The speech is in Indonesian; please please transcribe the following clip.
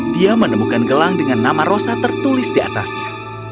dia menemukan gelang dengan nama rosa tertulis di atasnya